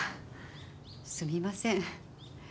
すみません。